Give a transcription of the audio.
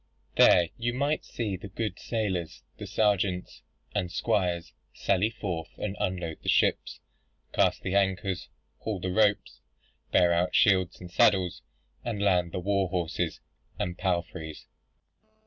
There you might see the good sailors, the sergeants, and squires sally forth and unload the ships; cast the anchors, haul the ropes, bear out shields and saddles, and land the war horses and palfreys.